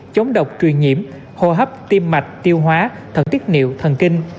chống độc truyền nhiễm hô hấp tim mạch tiêu hóa thần tiết niệu thần kinh